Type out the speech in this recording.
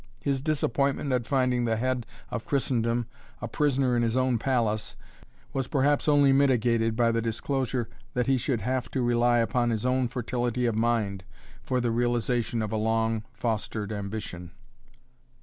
His disappointment at finding the head of Christendom a prisoner in his own palace was perhaps only mitigated by the disclosure that he should have to rely upon his own fertility of mind for the realization of a long fostered ambition.